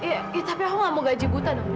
iya tapi aku gak mau gaji buta dong